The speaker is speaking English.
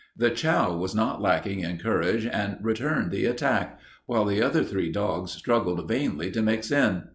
The chow was not lacking in courage and returned the attack, while the other three dogs struggled vainly to mix in.